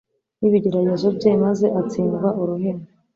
n’ibigeragezo bye, maze atsindwa uruhenu,